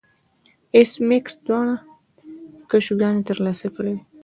ایس میکس دواړه کشوګانې ترلاسه کړې وې